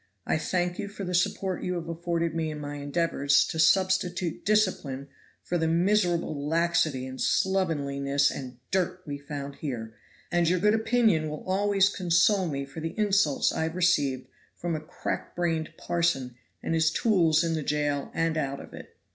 I thank you for the support you have afforded me in my endeavors to substitute discipline for the miserable laxity and slovenliness and dirt we found here; and your good opinion will always console me for the insults I have received from a crack brained parson and his tools in the jail and out of it."